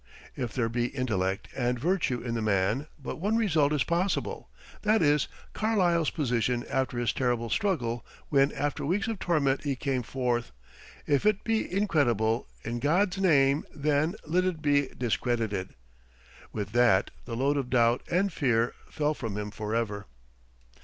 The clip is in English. If there be intellect and virtue in the man but one result is possible; that is, Carlyle's position after his terrible struggle when after weeks of torment he came forth: "If it be incredible, in God's name, then, let it be discredited." With that the load of doubt and fear fell from him forever.